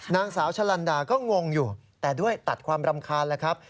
นางสาวชะลันดาก็งงอยู่แต่ด้วยตัดความรำคาญแล้วครับ